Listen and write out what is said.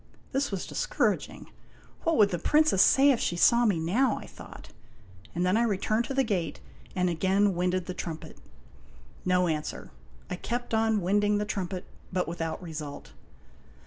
This was discouraging. "What would the Princess say if she saw me now?" I thought, and then I returned to the gate and again winded the trumpet. No answer. I kept on winding the trumpet, but without result.